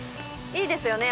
いいですよね！